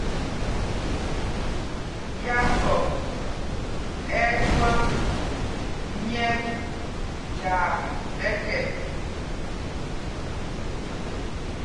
Yákɔp ɛ́ ɛ́ ɓwam myɛl tyaa ɓɛ́kɛ.